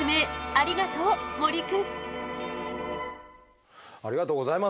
ありがとうございます。